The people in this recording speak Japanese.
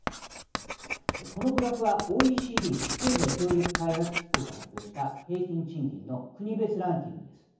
このグラフはＯＥＣＤ経済協力開発機構が発表した平均賃金の国別ランキングです。